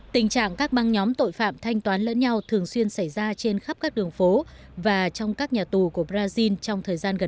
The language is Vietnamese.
tình trạng các băng nhóm tội phạm thanh toán lẫn nhau thường xuyên xảy ra trên khắp các đường phố và trong các nhà tù của brazil trong thời gian gần đây